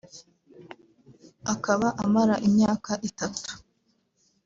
akaba amara imyaka itatu